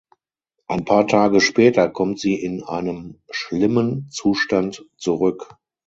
Ein paar Tage später kommt sie in einem schlimmen Zustand zurück.